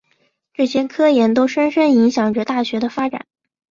这些科研都深深影响着大学的发展。